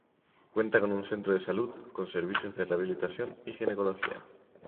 Cuenta con un centro de Salud, con servicios de rehabilitación y ginecología.